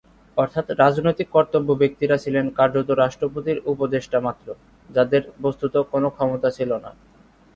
অর্থাৎ রাজনৈতিক কর্তাব্যক্তিরা ছিলেন কার্যত রাষ্ট্রপতির উপদেষ্টা মাত্র, যাদের বস্ত্তত কোনো ক্ষমতা ছিল না।